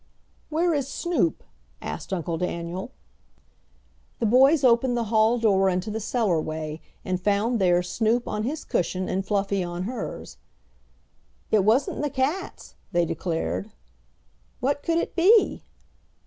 "Where is Snoop?" asked Uncle Daniel. The boys opened the hall door into the cellarway, and found there Snoop on his cushion and Fluffy on hers. "It wasn't the cats," they declared. "What could it be?"